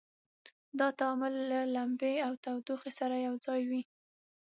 دا تعامل له لمبې او تودوخې سره یو ځای وي.